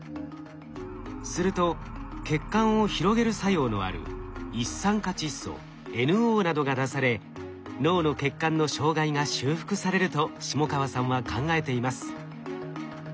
すると血管を広げる作用のある一酸化窒素ＮＯなどが出され脳の血管の障害が修復されると下川さんは考えています。